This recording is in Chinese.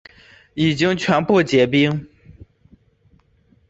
已经全部结冰